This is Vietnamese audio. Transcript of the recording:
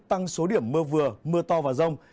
tăng số điểm mưa vừa mưa to và rông